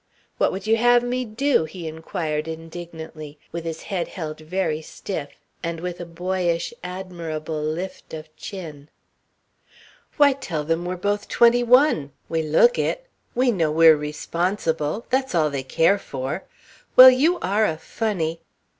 "What would you have me do?" he inquired indignantly, with his head held very stiff, and with a boyish, admirable lift of chin. "Why, tell them we're both twenty one. We look it. We know we're responsible that's all they care for. Well, you are a funny...."